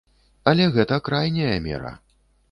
Але гэта крайняя мера.